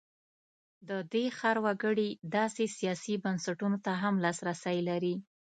د دې ښار وګړي داسې سیاسي بنسټونو ته هم لاسرسی لري.